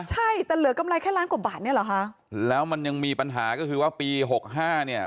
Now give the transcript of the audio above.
ใช่แต่เหลือกำไรแค่ล้านกว่าบาทเนี่ยเหรอคะแล้วมันยังมีปัญหาก็คือว่าปีหกห้าเนี่ย